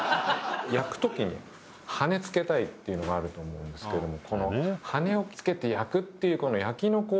「焼く時に羽根付けたいっていうのもあると思うんですけども」